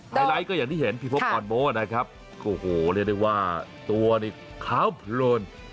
ไลท์ก็อย่างที่เห็นพี่พบอ่อนโม้นะครับโอ้โหเรียกได้ว่าตัวนี่ขาวเพลิน